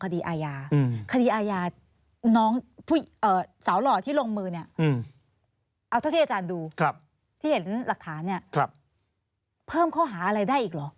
หลักฐานเนี่ยเพิ่มข้อหาอะไรได้อีกหรอ